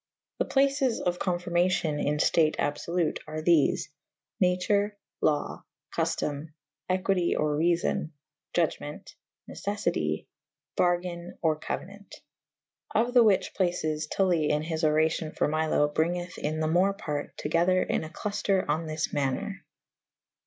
The places of confirmacyon in ftate abfolute are thele / nature / lawe / cuftome / equity or reafon / iugemewt / neceffity / bargayne or couena«t. Of the whiche places Tully in his oracio« for Milo bri«geth in the more parte to gyther in a clutter on this maner.